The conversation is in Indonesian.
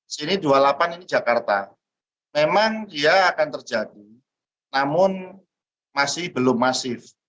sini dua puluh delapan ini jakarta memang dia akan terjadi namun masih belum masif